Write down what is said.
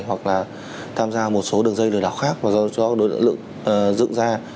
hoặc là tham gia một số đường dây lửa đảo khác và cho các đối tượng dựng ra